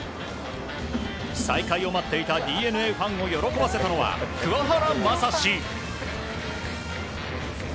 再開を待っていたＤｅＮＡファンを喜ばせたのは桑原。